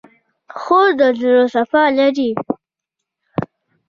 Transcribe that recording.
خور د زړه صفا لري.